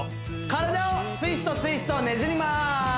体をツイストツイストねじります